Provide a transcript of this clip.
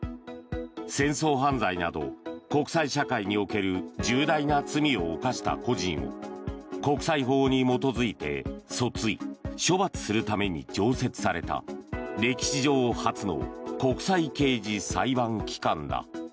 戦争犯罪など国際社会における重大な罪を犯した個人を国際法に基づいて訴追・処罰するために常設された歴史上初の国際刑事裁判機関だ。